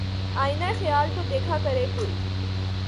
آئینۂ خیال کو دیکھا کرے کوئی